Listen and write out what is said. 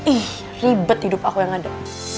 ih ribet hidup aku yang ada